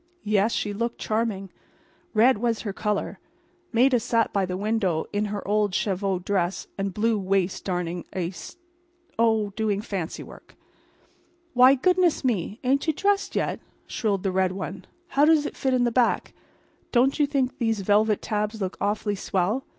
Yes, she looked charming. Red was her color. Maida sat by the window in her old cheviot skirt and blue waist darning a st—. Oh, doing fancy work. "Why, goodness me! ain't you dressed yet?" shrilled the red one. "How does it fit in the back? Don't you think these velvet tabs look awful swell?